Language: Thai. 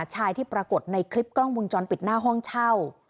ที่ปรากฏในคลิปกล้องวงจรปิดหน้าห้องเช่า